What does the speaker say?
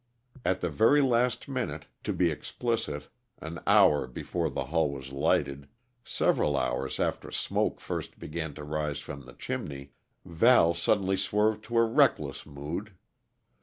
At the very last minute to be explicit, an hour before the hall was lighted, several hours after smoke first began to rise from the chimney, Val suddenly swerved to a reckless mood.